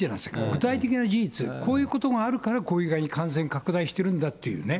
具体的な事実、こういうことがあるから、これぐらい感染拡大してるんだっていうね。